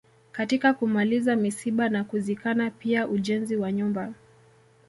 Katika kumaliza misiba na kuzikana pia ujenzi wa nyumba